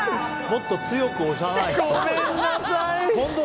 もっと強く押さないと。